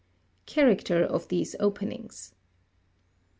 15. Character of these openings.